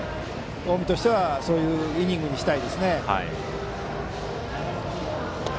近江としてはそういうイニングにしたいですね。